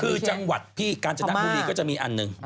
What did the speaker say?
คือจังหวัดพี่กาญจนบุรีก็จะมีอันหนึ่ง